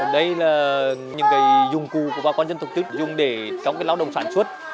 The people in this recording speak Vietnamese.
đây là những dụng cụ của bà con dân tộc chức dùng để trong lao động sản xuất